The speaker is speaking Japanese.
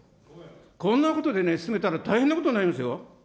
こんなことでね、進めたら大変なことになりますよ。